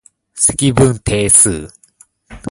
積分定数